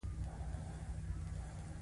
هماغه اصل وګڼو او اعمال یو مخ پاک کړو.